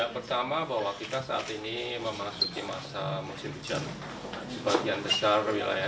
pertama bahwa kita saat ini memasuki masa musim hujan